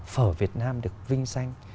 phở việt nam được vinh danh